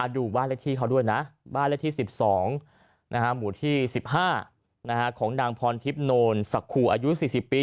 ดูบ้านเลขที่เขาด้วยนะบ้านเลขที่๑๒หมู่ที่๑๕ของนางพรทิพย์โนนสะครูอายุ๔๐ปี